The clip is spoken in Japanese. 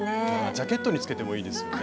ジャケットにつけてもいいですよね。